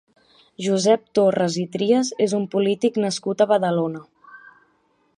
Josep Torras i Trias és un polític nascut a Badalona.